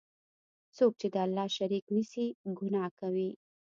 څوک چی د الله شریک نیسي، ګناه کوي.